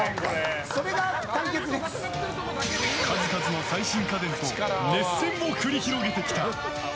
数々の最新家電と熱戦を繰り広げてきた。